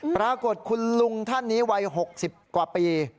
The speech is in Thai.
ปรากฏคุณลุงท่านนี้วัย๖๐กว่าปี